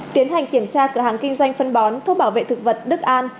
tiến hành kiểm tra cửa hàng kinh doanh phân bón thuốc bảo vệ thực vật đức an